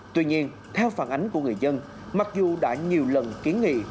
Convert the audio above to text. tuy nhiên theo phản ánh của người dân mặc dù đã nhiều lần kiến nghị